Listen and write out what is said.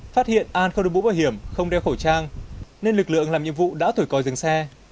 phát hiện an không đối mũ bảo hiểm không đeo khẩu trang nên lực lượng làm nhiệm vụ đã thổi coi dừng xe